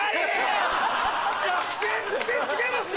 全然違いますね！